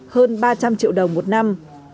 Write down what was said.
hơn ba trăm linh triệu đồng một năm